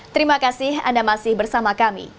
terima kasih anda masih bersama kami